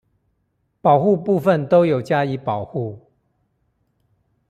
保護部分都有加以保護